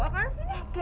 ya ampun reklam